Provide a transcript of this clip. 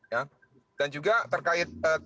ya dan juga terkait